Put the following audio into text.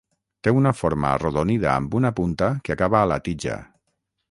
Té una forma arrodonida amb una punta que acaba a la tija.